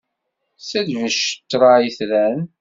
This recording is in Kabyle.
Selbec ṭṭṛa itran.